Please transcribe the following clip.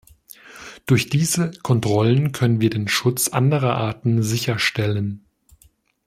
Durch diese Kontrollen können wir den Schutz anderer Arten sicherstellen.